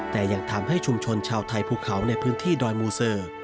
แต่ยังทำให้ชุมชนชาวไทยภูเขาในพื้นที่ดอยมูเซอร์